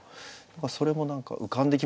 それも浮かんできますよね。